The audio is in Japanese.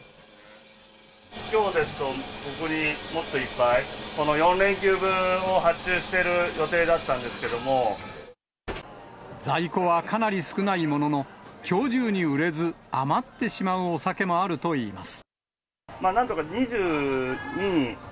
きょうですと、ここにもっといっぱい、この４連休分を発注している予定だったんですけども。在庫はかなり少ないものの、きょう中に売れず、余ってしまうお酒もあるといいます。